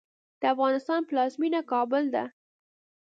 د افغانستان پلازمېنه کابل ده.